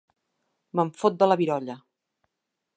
Me'n fot de la virolla.